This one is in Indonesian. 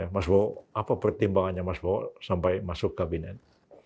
mas bowo apa pertimbangannya mas bowo sampai masuk kabinet